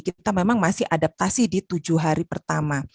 kita memang masih adaptasi di tujuh hari pertama